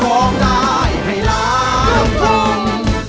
ร้องได้ให้รัก